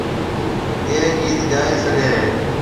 اَي گِيت گائيَ سگھيََََ هيَ۔